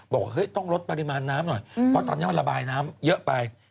บอกเฮ้ยต้องลดปริมาณน้ำหน่อยเพราะตอนนี้มันระบายน้ำเยอะไป